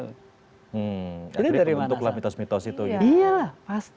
jadi dari mana sana